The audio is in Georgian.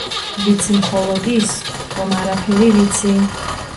ვიცი მხოლოდ ის, რომ არაფერი ვიცი